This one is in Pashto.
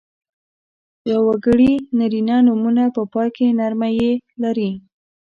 یوګړي نرينه نومونه په پای کې نرمه ی لري.